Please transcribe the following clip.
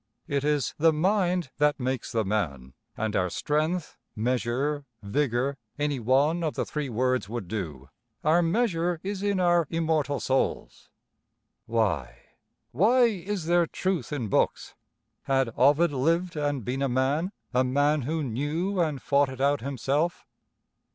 "It is the mind that makes the man, and our strength measure vigor" any one of the three words would do "our measure is in our immortal souls." Why why is there truth in books? Had Ovid lived and been a man, a man who knew and fought it out himself?